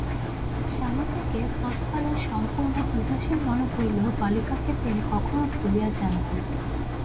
স্বামীজীকে তৎকালে সম্পূর্ণ উদাসীন মনে হইলেও বালিকাকে তিনি কখনও ভুলিয়া যান নাই।